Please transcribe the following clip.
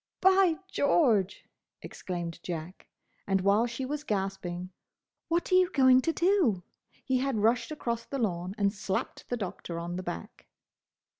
"By George!" exclaimed Jack; and while she was gasping, "What are you going to do?" he had rushed across the lawn and slapped the Doctor on the back.